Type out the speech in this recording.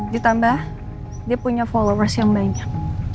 ditambah dia punya followers yang banyak